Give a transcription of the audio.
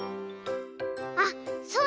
あっそうだ！